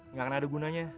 nggak akan ada gunanya